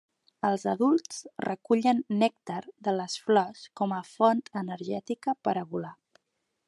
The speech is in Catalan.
Els adults recullen nèctar de les flors com a font energètica per a volar.